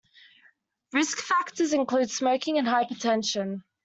Risk factors include smoking and hypertension.